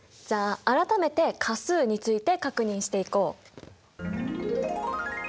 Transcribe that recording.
じゃあ改めて価数について確認していこう。